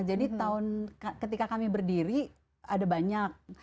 jadi ketika kami berdiri ada banyak